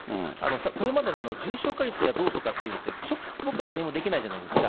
これまでの重症化率がどうとかっていうと、直接、僕は何もできないじゃないですか。